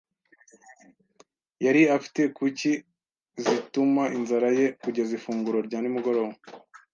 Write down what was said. Yari afite kuki zituma inzara ye kugeza ifunguro rya nimugoroba.